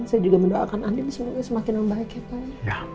saya juga mendoakan anda semoga semakin baik ya pak